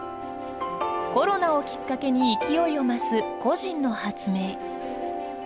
コロナをきっかけに勢いを増す個人の発明。